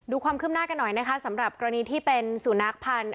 ความคืบหน้ากันหน่อยนะคะสำหรับกรณีที่เป็นสุนัขพันธ์